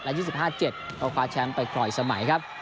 และยี่สิบห้าเจ็ดเอาคว้าแชมป์ไปคลอยอีกสมัยครับ